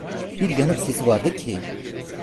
Bir yanık sesi vardı ki…